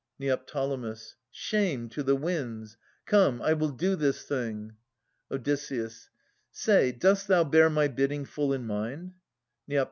Neo. Shame, to the winds ! Come, I will do this thing. Od. Say, dost thou bear my bidding full in mind? Neo.